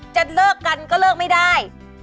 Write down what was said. จะเลิกกันก็เลิกไม่ได้